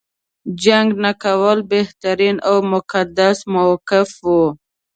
جنګ نه کول بهترین او مقدس موقف و.